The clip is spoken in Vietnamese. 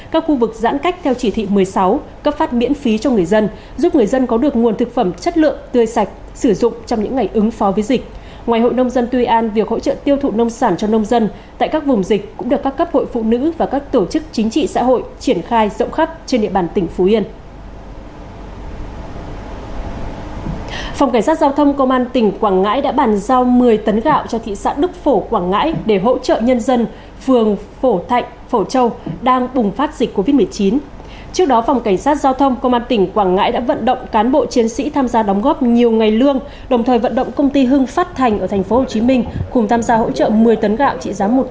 các khu vực giãn cách theo chỉ thị một mươi sáu cấp phát miễn phí cho người dân giúp người dân có được nguồn thực phẩm chất lượng tươi sạch sử dụng trong những ngày ứng phó với dịch